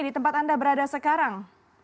di tempat anda berada sekarang